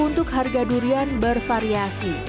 untuk harga durian bervariasi